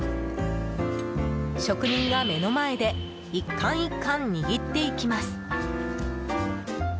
職人が目の前で１貫１貫、握っていきます。